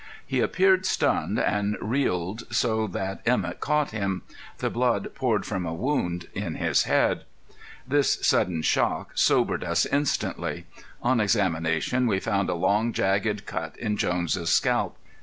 He appeared stunned, and reeled so that Emett caught him. The blood poured from a wound in his head. This sudden shock sobered us instantly. On examination we found a long, jagged cut in Jones' scalp.